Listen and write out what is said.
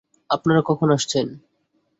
আপনারা কখন আসছেন?